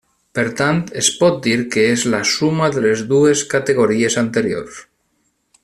Per tant, es pot dir que és la suma de les dues categories anteriors.